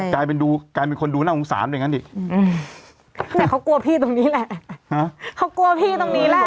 กลายเป็นดูกลายเป็นคนดูน่าสงสารอย่างนั้นอีกเนี่ยเขากลัวพี่ตรงนี้แหละเขากลัวพี่ตรงนี้แหละ